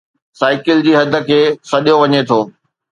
cycle جي حد کي سڏيو وڃي ٿو